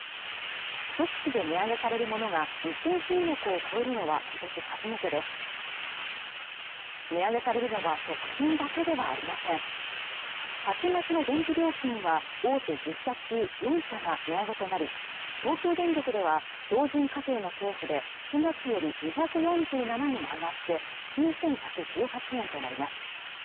ひと月で値上げされるものが２０００品目を超えるのは今年初めてです値上げされるのは食品だけではありません８月の電気料金は大手１０社中４社が値上げとなり東京電力では標準家庭のケースで７月より２４７円上がって９１１８円となります